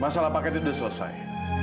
masalah paket itu sudah selesai